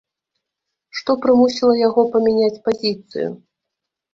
Што прымусіла яго памяняць пазіцыю?